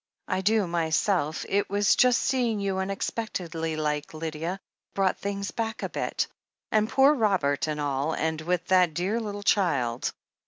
I do myself — it was just seeing you unexpectedly like, Lydia, brought things back a bit — and poor Robert and all, and with that dear little child.